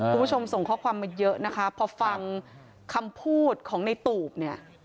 คุณผู้ชมส่งข้อความมาเยอะนะคะพอฟังคำพูดของในตูบเนี่ย